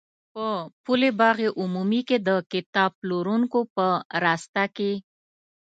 په پل باغ عمومي کې د کتاب پلورونکو په راسته کې.